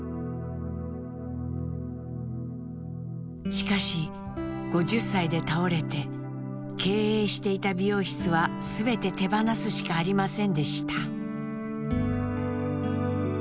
しかし５０歳で倒れて経営していた美容室は全て手放すしかありませんでした。